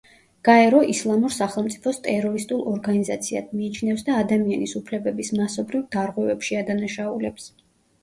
გაერო ისლამურ სახელმწიფოს ტერორისტულ ორგანიზაციად მიიჩნევს და ადამიანის უფლებების მასობრივ დარღვევებში ადანაშაულებს.